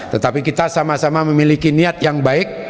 tetapi kita sama sama memiliki niat yang baik